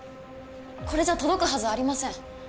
これじゃ届くはずありません。